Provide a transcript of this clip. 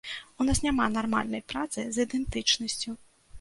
У нас няма нармальнай працы з ідэнтычнасцю.